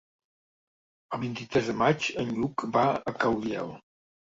El vint-i-tres de maig en Lluc va a Caudiel.